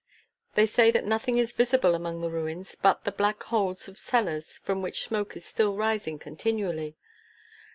They say that nothing is visible among the ruins but the black holes of cellars from which smoke is still rising continually."